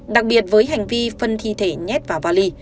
đặc biệt với hành vi phân thi thể nhét vào vali